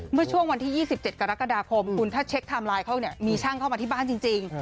เมื่อช่วงวันที่๒๗กรกฎาคมคุณถ้าเช็คไทม์ไลน์เขาเนี่ยมีช่างเข้ามาที่บ้านจริง